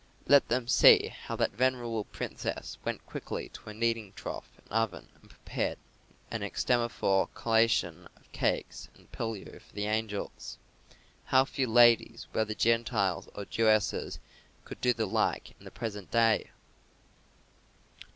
Let them see how that venerable princess went quickly to her kneading trough and oven and prepared an extempore collation of cakes and pilau for the angels. How few ladies, whether Gentiles or Jewesses, could do the like in the present day!"